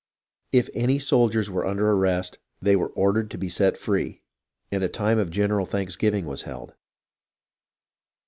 If any soldiers were under arrest, they were ordered to be set free, and a time of general thanksgiving was held.